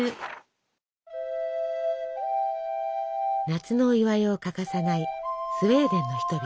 夏のお祝いを欠かさないスウェーデンの人々。